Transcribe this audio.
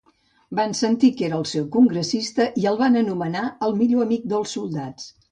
Van sentir que era el seu congressista i el van anomenar el millor amic dels soldats.